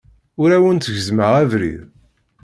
Ur awent-gezzmeɣ abrid.